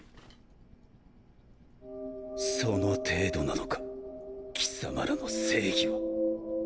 その程度なのか貴様らの正義は。